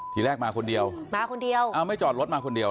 ที่แรกมาคนเดียวเอ้าไม่จอดรถมาคนเดียวเหรอลงมาคนเดียว